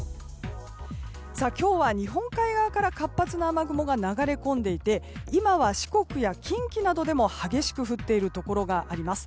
今日は日本海側から活発な雨雲が流れ込んでいて今は四国や近畿などでも激しく降っているところがあります。